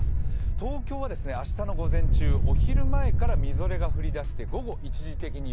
東京は明日の午前中、お昼前からみぞれが降り出して、午後、一時的に雪。